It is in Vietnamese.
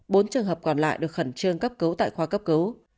bốn trường hợp còn lại được khẩn trương cấp cứu tại khoa cấp cứu